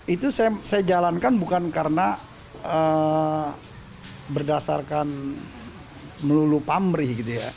itu saya jalankan bukan karena berdasarkan melulu pamrih